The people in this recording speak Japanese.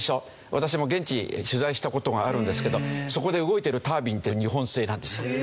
私も現地取材した事があるんですけどそこで動いてるタービンって日本製なんですよ。